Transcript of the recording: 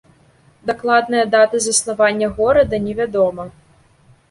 Дакладная дата заснавання горада невядома.